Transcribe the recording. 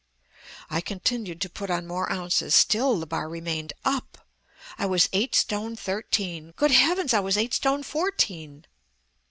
I continued to put on more ounces. Still the bar remained up! I was eight stone thirteen.... Good heavens, I was eight stone fourteen!